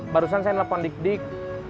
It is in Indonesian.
barusan saya nelpon dik dik